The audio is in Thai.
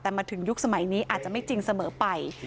แต่มาถึงยุคสมัยนี้อาจจะไม่จริงเสมอไป